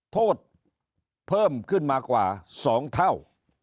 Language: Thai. โทษเพิ่มขึ้นมากว่า๒เท่า